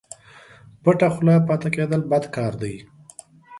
پټه خوله پاته کېدل بد کار دئ